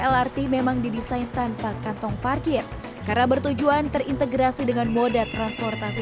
lrt memang didesain tanpa kantong parkir karena bertujuan terintegrasi dengan moda transportasi